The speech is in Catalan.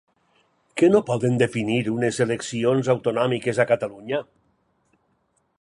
Què no poden definir unes eleccions autonòmiques a Catalunya?